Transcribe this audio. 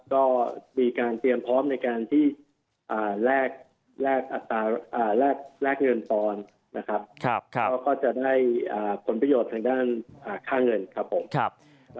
ก็มีการเตรียมพร้อมในการที่แลกเงินปอนด์นะครับก็จะได้ผลประโยชน์ทางด้านค่าเงินครับผม